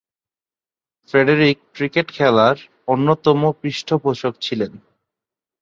Frederic cricket খেলার অন্যতম পৃষ্ঠপোষক ছিলেন।